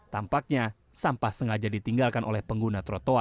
tampaknya sampah sengaja ditinggalkan